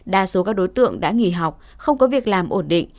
đa số các đối tượng đã nghỉ học không có việc làm ổn định